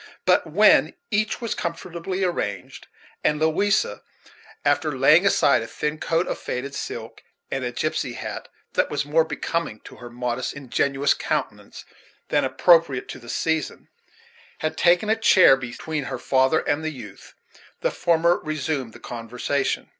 But, when each was comfortably arranged, and Louisa, after laying aside a thin coat of faded silk, and a gypsy hat, that was more becoming to her modest, ingenuous countenance than appropriate to the season, had taken a chair between her father and the youth, the former resumed the conversation.